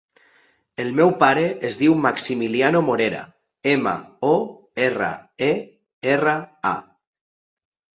El meu pare es diu Maximiliano Morera: ema, o, erra, e, erra, a.